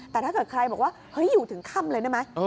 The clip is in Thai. แต่ถ้าเกิดใครบอกว่าเฮ้ยอยู่ถึงค่ำเลยได้ไหม